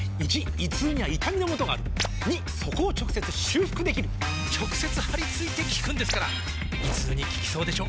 ①胃痛には痛みのもとがある②そこを直接修復できる直接貼り付いて効くんですから胃痛に効きそうでしょ？